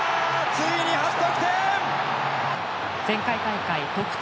ついに初得点！